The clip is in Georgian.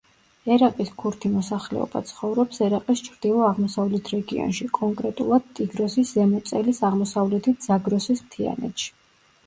ერაყის ქურთი მოსახლეობა ცხოვრობს ერაყის ჩრდილო-აღმოსავლეთ რეგიონში, კონკრეტულად ტიგროსის ზემო წელის აღმოსავლეთით ზაგროსის მთიანეთში.